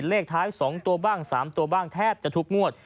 เลขท้าย๒ตัวบ้าง๓ตัวบ้างแทบจะทุกงวด